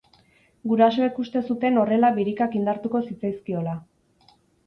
Gurasoek uste zuten horrela birikak indartuko zitzaizkiola.